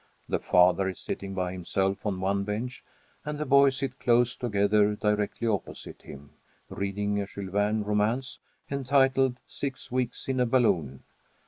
The father is sitting by himself on one bench, and the boys sit close together directly opposite him, reading a Jules Verne romance entitled "Six Weeks in a Balloon."